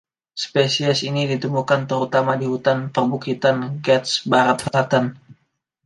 Spesies ini ditemukan terutama di hutan perbukitan Ghats Barat selatan.